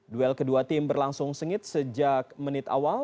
duel kedua tim berlangsung sengit sejak menit awal